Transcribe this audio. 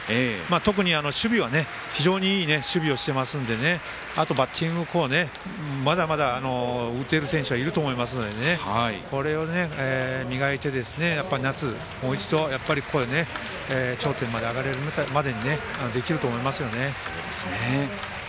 特に守備は非常にいい守備をしていますのであと、バッティングまだまだ打てる選手はいると思いますのでこれを磨いて夏、もう一度やっぱり頂点まで上がれるまでにできると思いますよね。